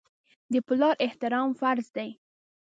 د پلار احترام فرض دی.